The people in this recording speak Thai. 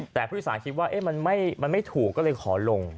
แต่ผู้โดยสารคิดว่ามันไม่ถูกก็เลยขอลง